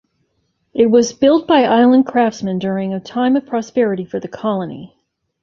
It was built by Island craftsmen during a time of prosperity for the colony.